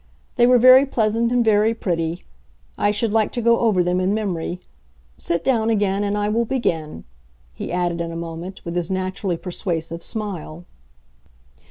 They were very pleasant and very pretty; I should like to go over them in memory. Sit down again, and I will begin," he added in a moment, with his naturally persuasive smile.